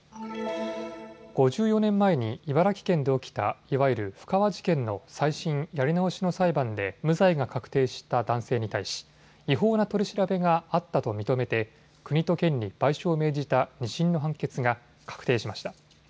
５４年前に茨城県で起きたいわゆる布川事件の再審・やり直しの裁判で無罪が確定した男性に対し違法な取り調べがあったと認めて国と県に賠償を命じた２審の判決が確定しました。